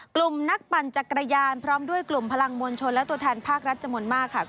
กลุ่มนักปั่นจักรยานพร้อมด้วยกลุ่มพลังมวลชนและตัวแทนภาครัฐจำนวนมากค่ะ